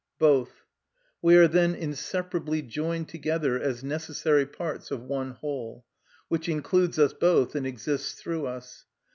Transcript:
Both. We are, then, inseparably joined together as necessary parts of one whole, which includes us both and exists through us.